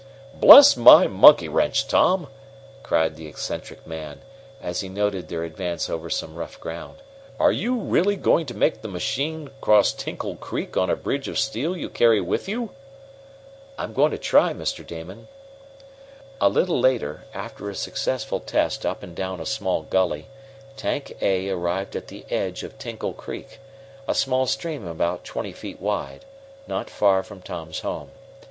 "Bless my monkey wrench, Tom!" cried the eccentric man, as he noted their advance over some rough ground, "are you really going to make this machine cross Tinkle Creek on a bridge of steel you carry with you?" "I'm going to try, Mr. Damon." A little later, after a successful test up and down a small gully, Tank A arrived at the edge of Tinkle Creek, a small stream about twenty feet wide, not far from Tom's home.